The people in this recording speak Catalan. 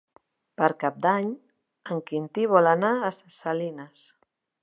Per Cap d'Any en Quintí vol anar a Ses Salines.